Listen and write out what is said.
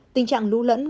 tình trạng lũ lẫn